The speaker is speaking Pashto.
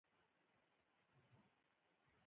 د پاکستان د ولس په ګټه بدلون راولي